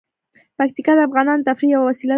پکتیکا د افغانانو د تفریح یوه وسیله ده.